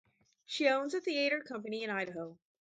She owns a theatre company in Idaho.